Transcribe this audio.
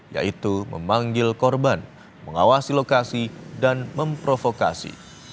yaitu memanggil korban mengawasi lokasi dan memprovokasi